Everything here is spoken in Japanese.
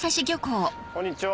こんにちは。